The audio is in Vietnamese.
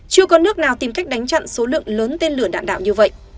chưa có nước nào tìm cách đánh chặn số lượng lớn tên lửa đạn đạo như vậy